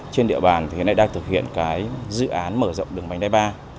trên địa bàn hiện nay đang thực hiện dự án mở rộng đường bánh đai ba